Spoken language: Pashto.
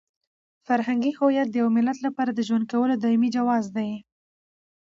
فرهنګي هویت د یو ملت لپاره د ژوند کولو دایمي جواز دی.